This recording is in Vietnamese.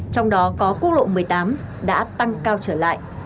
trong đó có quốc lộ một mươi tám đã tăng cao trở lại